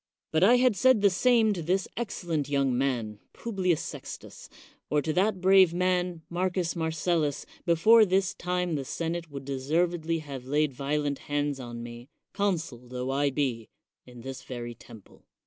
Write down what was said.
But had I said the same to this excellent young man, Publius Sextius, or to that brave man, Marcus Marcellus, before this time the senate would deservedly have laid violent hands on me, consul tho I be, in this very temple.